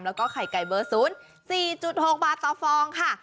แล้วก็ไข่ไก่เบอร์๐๔๖บาทต่อฟองค่ะ